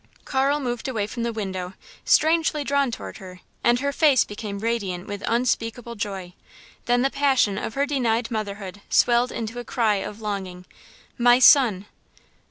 Carl moved away from the window, strangely drawn toward her, and her face became radiant with unspeakable joy. Then the passion of her denied motherhood swelled into a cry of longing "My son!"